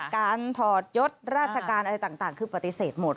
ถอดยศราชการอะไรต่างคือปฏิเสธหมด